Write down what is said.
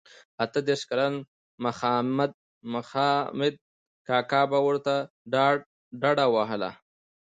اته دیرش کلن مخامد کاکا به ورته ډډه وهله.